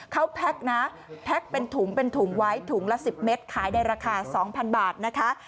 เขาแพ็คนะแพ็คเป็นถุงเป็นถุงไว้ถุงละ๑๐เมตรขายในราคา๒๐๐๐บาทนะคะ